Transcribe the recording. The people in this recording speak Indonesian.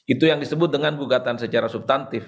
itu yang disebut dengan gugatan secara substantif